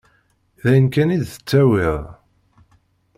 D ayen kan i d-tettawiḍ.